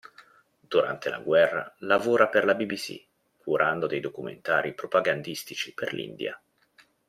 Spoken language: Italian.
Durante la guerra lavora per la BBC curando dei documentari propagandistici per l'India.